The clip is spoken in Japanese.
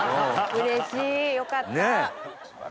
うれしいよかった。ねぇ。